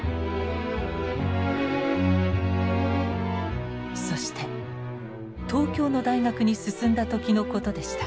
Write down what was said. そして東京の大学に進んだ時のことでした。